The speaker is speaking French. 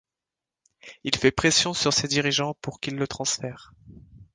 Il fait pression sur ses dirigeants pour qu'ils le transfèrent.